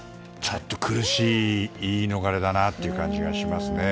苦しい言い逃れだなという感じがします。